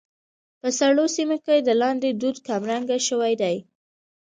په سړو سيمو کې د لاندي دود کمرنګه شوى دى.